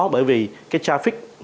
bởi vì cái traffic